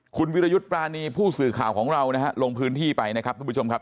คุณวิรยุทธ์ปรานีผู้สื่อข่าวของเรานะฮะลงพื้นที่ไปนะครับทุกผู้ชมครับ